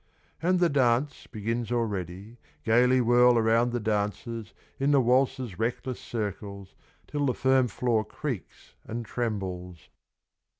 And the dance begins already, Gaily whirl around the dancers In the waltz's reckless circles, Till the firm floor creaks and trembles.